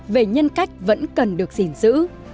về nhân cách vẫn cần được gìn giữ